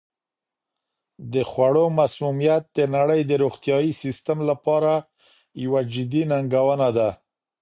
د خوړو مسمومیت د نړۍ د روغتیايي سیستم لپاره یوه جدي ننګونه ده.